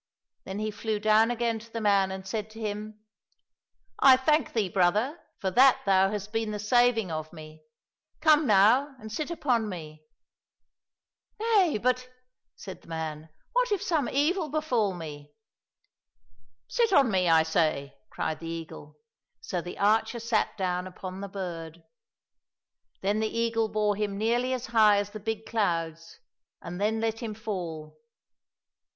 Then he flew down again to the man and said to him, " I thank thee, brother, for that thou hast been the saving of me ! Come now and sit upon me !"—" Nay, but," said the man, " what if some evil befall me ?"—" Sit on me, I say !" cried the eagle. So the archer sat down upon the bird. Then the eagle bore him nearly as high as the big clouds, and then let him fall.